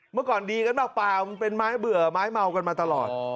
เมื่อก่อนดีกันเปล่ามันเป็นไม้เบื่อไม้เมากันมาตลอด